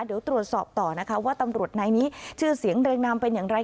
เดี๋ยวตรวจสอบต่อนะคะว่าตำรวจนายนี้ชื่อเสียงเรียงนามเป็นอย่างไร